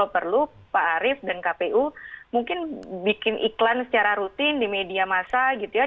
perlu pak arief dan kpu mungkin bikin iklan secara rutin di media masa gitu ya